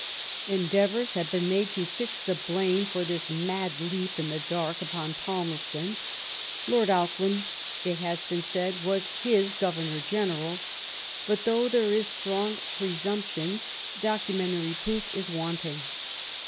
Endea vours have been made to fix the blame for this mad leap in the dark upon Palmerston ; Lord Auckland, it has been said, was his Governor general, but though there is strong presumption, documentary proof is wanting.